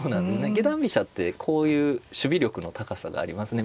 下段飛車ってこういう守備力の高さがありますね。